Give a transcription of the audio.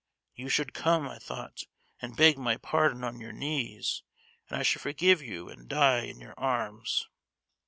You should come, I thought, and beg my pardon on your knees, and I should forgive you and die in your arms!"